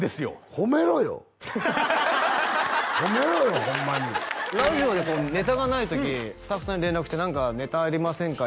褒めろよホンマにラジオでネタがない時スタッフさんに連絡して「何かネタありませんか？